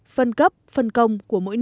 phân cấp phân công